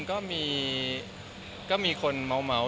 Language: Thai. โกข์ใจเวลาเฝ้า